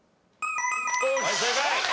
正解。